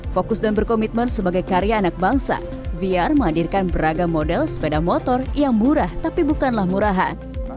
fokus dan berkomitmen sebagai karya anak bangsa vyar menghadirkan beragam model sepeda motor yang murah tapi bukanlah murahan